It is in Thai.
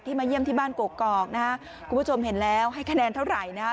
มาเยี่ยมที่บ้านกกอกนะฮะคุณผู้ชมเห็นแล้วให้คะแนนเท่าไหร่นะฮะ